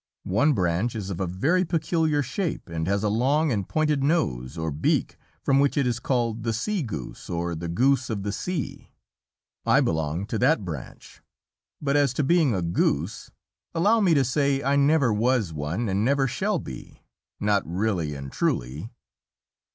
One branch is of a very peculiar shape, and has a long and pointed nose or beak from which it is called the "Sea Goose," or the "Goose of the Sea." I belong to that branch, but as to being a goose, allow me to say I never was one and never shall be, not really and truly.